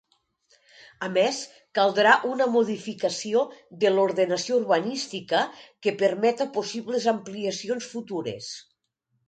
A més, caldrà una modificació de l’ordenació urbanística que permeta possibles ampliacions futures.